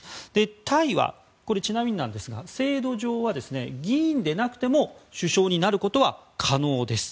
タイは制度上は議員でなくても首相になることは可能です。